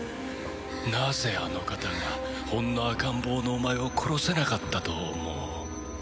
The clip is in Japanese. なぜあの方がほんの赤ん坊のお前を殺せなかったと思う？